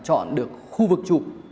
chọn được khu vực chụp